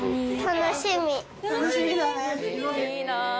楽しみだね。